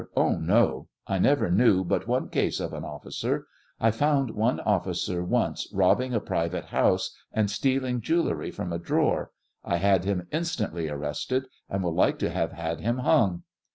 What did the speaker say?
Oh, no ; I never knew but one case of an officer ; I found one officer once robbing a private house and stealing jewelry from a drawer ; I had him instantly arrested, and would like to have had him hung.